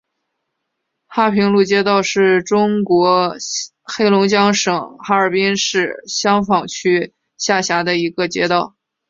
哈平路街道是中国黑龙江省哈尔滨市香坊区下辖的一个街道。